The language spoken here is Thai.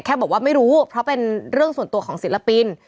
บอกว่าไม่รู้เพราะเป็นเรื่องส่วนตัวของศิลปิน